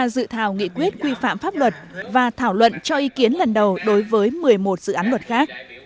ba dự thảo nghị quyết quy phạm pháp luật và thảo luận cho ý kiến lần đầu đối với một mươi một dự án luật khác